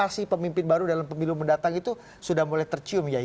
narasi pemimpin baru dalam pemilu mendatang itu sudah mulai tercium ya